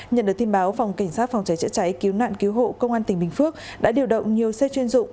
nhận được tin báo phòng cảnh sát phòng cháy chữa cháy cứu nạn cứu hộ công an tỉnh bình phước đã điều động nhiều xe chuyên dụng